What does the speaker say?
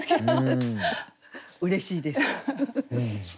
うれしいです。